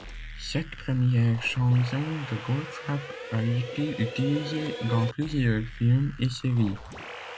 Cette première chanson de Goldfrapp a été utilisée dans plusieurs films et séries.